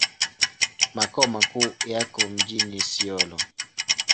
Makao makuu yako mjini Isiolo.